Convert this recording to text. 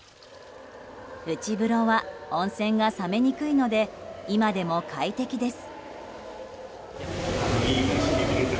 内風呂は温泉が冷めにくいので今でも快適です。